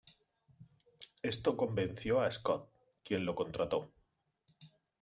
Esto convenció a Scott, quien lo contrató.